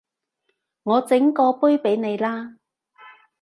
我整過杯畀你啦